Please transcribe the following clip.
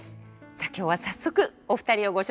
さあ今日は早速お二人をご紹介いたします。